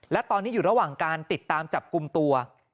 และตอนนี้อยู่ระหว่างการติดตามจับกลุ่มตัว